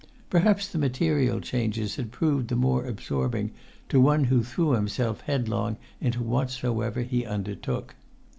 Perhaps the material changes had proved the more absorbing to one who threw himself headlong into whatsoever he undertook.